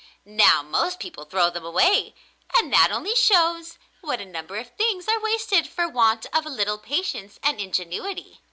Now, most people throw them away, and that only shows what a number of things are wasted for want of a little patience and ingenuity.